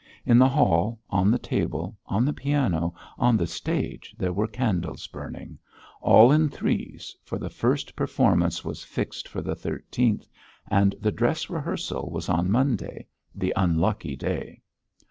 In the hall, on the table, on the piano, on the stage, there were candles burning; all in threes, for the first performance was fixed for the thirteenth, and the dress rehearsal was on Monday the unlucky day.